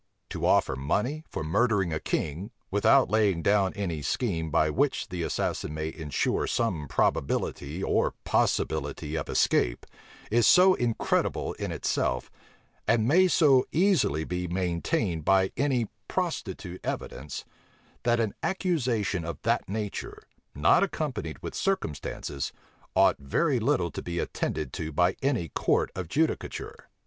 To offer money for murdering a king, without laying down any scheme by which the assassin may insure some probability or possibility of escape, is so incredible in itself, and may so easily be maintained by any prostitute evidence, that an accusation of that nature, not accompanied with circumstances, ought very little to be attended to by any court of judicature.